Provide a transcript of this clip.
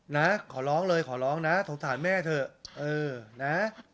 นะขอร้องเลยขอร้องนะสงสารแม่เถอะเออนะ